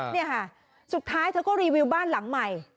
นี่ค่ะสุดท้ายเธอก็รีวิวบ้านหลังใหม่